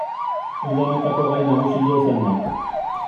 Uda honetako gai nagusia izan da.